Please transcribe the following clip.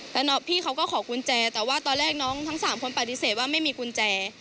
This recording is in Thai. แต่พี่เขาก็ขอกุญแจแต่ว่าตอนแรกน้องทั้ง๓คนปฏิเสธว่าไม่มีกุญแจ